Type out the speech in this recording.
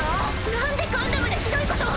なんでガンダムでひどいことを。